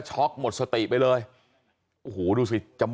บอกแล้วบอกแล้วบอกแล้วบอกแล้ว